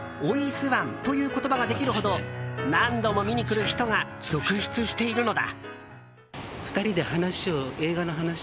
スワンという言葉ができるほど何度も見に来る人が続出しているのだ。